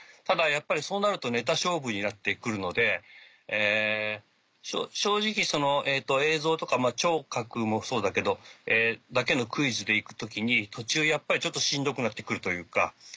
ただやっぱりそうなるとネタ勝負になって来るので正直その映像とか聴覚もそうだけどだけのクイズで行く時に途中やっぱりちょっとしんどくなって来るというか。